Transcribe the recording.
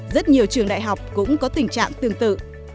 rất nhiều trường đại học cũng có tình trạng tương tự